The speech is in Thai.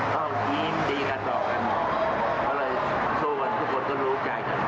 ก็ยิ้มดีกันต่อแหละหมอเพราะว่าทุกคนก็รู้ใจกัน